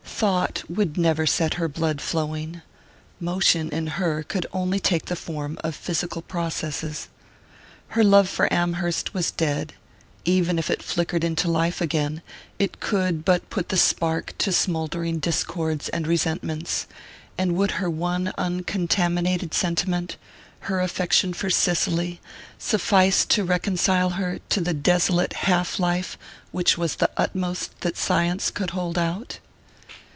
Thought would never set her blood flowing motion, in her, could only take the form of the physical processes. Her love for Amherst was dead even if it flickered into life again, it could but put the spark to smouldering discords and resentments; and would her one uncontaminated sentiment her affection for Cicely suffice to reconcile her to the desolate half life which was the utmost that science could hold out?